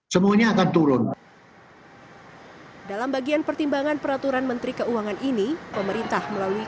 semuanya akan turun dalam bagian pertimbangan peraturan menteri keuangan ini pemerintah melalui